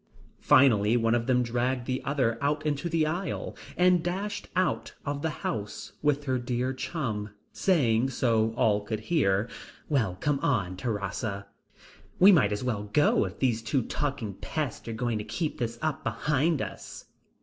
Finally one of them dragged the other out into the aisle, and dashed out of the house with her dear chum, saying, so all could hear: "Well, come on, Terasa, we might as well go, if these two talking pests are going to keep this up behind us."